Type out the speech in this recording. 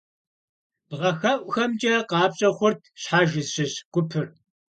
Бгъэхэӏухэмкӏэ къапщӏэ хъурт щхьэж зыщыщ гупыр.